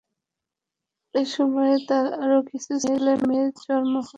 এ সময়ে তার আরো কিছু ছেলে-মেয়ের জন্ম হয়।